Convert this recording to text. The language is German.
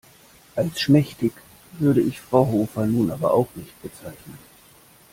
Als schmächtig würde ich Frau Hofer nun aber auch nicht bezeichnen.